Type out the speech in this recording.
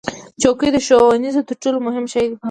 چوکۍ د ښوونځي تر ټولو مهم شی دی.